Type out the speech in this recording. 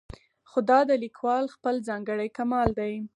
خو دا د لیکوال خپل ځانګړی کمال دی.